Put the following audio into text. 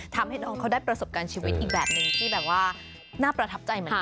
ทำให้น้องเขาได้ประสบการณ์ชีวิตอีกแบบหนึ่งที่แบบว่าน่าประทับใจเหมือนกัน